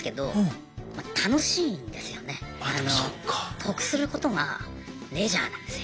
得することがレジャーなんですよ。